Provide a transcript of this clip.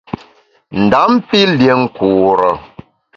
Ndam pi lié nkure.